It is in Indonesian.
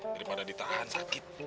daripada ditahan sakit